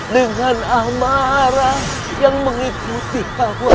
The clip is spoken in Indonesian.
dengan amarah yang mengikuti akun